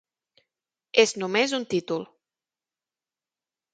És només un títol.